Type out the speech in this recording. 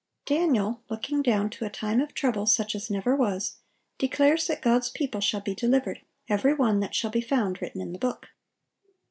(841) Daniel, looking down to "a time of trouble, such as never was," declares that God's people shall be delivered, "every one that shall be found written in the book."